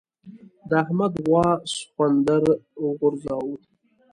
د احمد غوا سخوندر وغورځاوو.